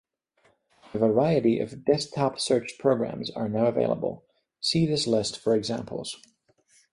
A variety of desktop search programs are now available; see this list for examples.